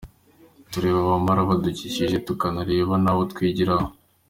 Tureba abamama badukikije tukanareba n’ abo twigiraho.